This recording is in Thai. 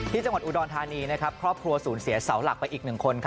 ที่จังหวัดอุดรธานีครอบครัวศูนย์เสียเสาหลักไปอีก๑คน